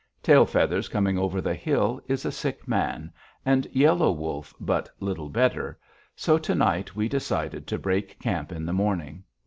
Tail Feathers Coming over the Hill is a sick man, and Yellow Wolf but little better, so to night we decided to break camp in the morning.